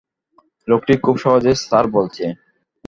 লোকটি খুব সহজেই স্যার বলছে।